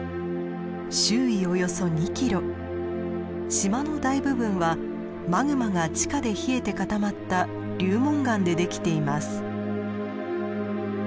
島の大部分はマグマが地下で冷えて固まった流紋岩で出来ています。